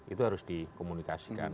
itu harus dikomunikasikan